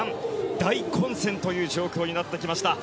大混戦という状況になってきました。